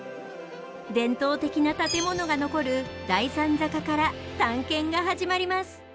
伝統的な建物が残る大三坂から探検が始まります。